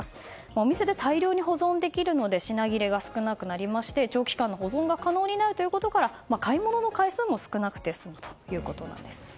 お店で大量に保存できるので品切れが少なくなりまして長期間の保存が可能になるということから買い物の回数も少なくて済むということなんです。